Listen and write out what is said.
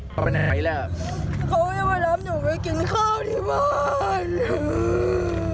เขาจะมารับหนูไปกินข้าวที่บ้าน